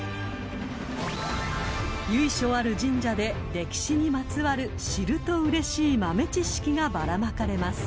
［由緒ある神社で歴史にまつわる知るとうれしい豆知識がバラまかれます］